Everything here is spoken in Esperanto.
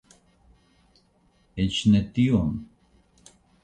Eĉ ne tion?